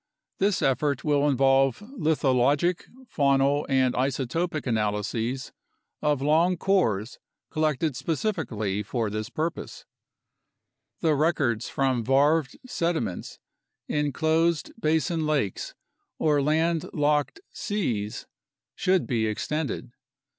This effort will involve lithologic, faunal, and isotopic analyses of long cores collected specifically for this purpose. The records from varved sediments in closed basin lakes or land locked seas should be extended.